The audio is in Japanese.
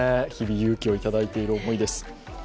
日々勇気をいただいている思いです。